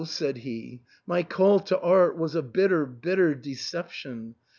" said he, " my call to art was a bitter, bitter deception.